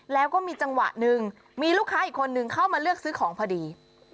แล้วก็มีจังหวะหนึ่งมีลูกค้าอีกคนนึงเข้ามาเลือกซื้อของพอดี